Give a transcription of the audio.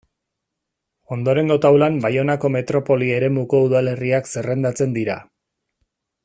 Ondorengo taulan Baionako metropoli eremuko udalerriak zerrendatzen dira.